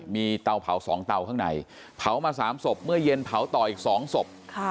มีเตาเผา๒เตาข้างในเผามา๓ศพเมื่อเย็นเผาต่ออีก๒ศพ